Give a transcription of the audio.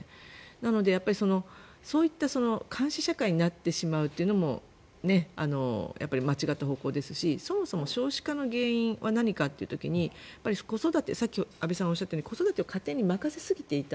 なので、そういった監視社会になってしまうというのも間違った方向ですしそもそも少子化の原因は何かといった時に子育てを家庭に任せすぎていた。